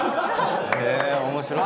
面白い！